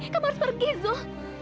kamu harus pergi zul